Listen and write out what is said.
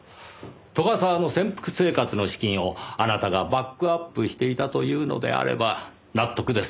斗ヶ沢の潜伏生活の資金をあなたがバックアップしていたというのであれば納得です。